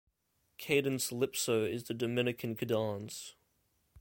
Cadence-lypso is the Dominican kadans.